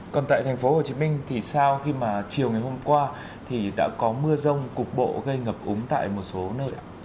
còn tại tp hcm thì sao khi mà chiều ngày hôm qua thì đã có mưa rông cục bộ gây ngập úng tại một số nơi ạ